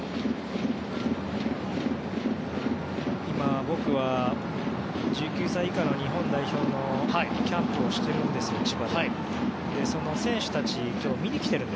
今、僕は１９歳以下の日本代表のキャンプをしているんですよ。